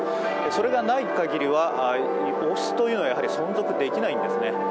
それがないかぎりは、王室というのはやはり存続できないんですね。